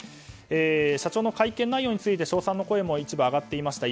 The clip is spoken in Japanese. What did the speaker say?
社長の会見内容について称賛の声も一部上がっていました